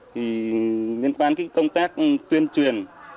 thì liên quan công tác tuyên truyền